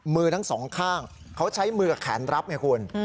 มือทั้งสองข้างเขาใช้มือกับแขนรับไงคุณ